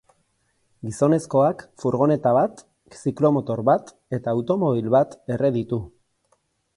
Gizonezkoak furgoneta bat, ziklomotor bat eta automobil bat erre ditu.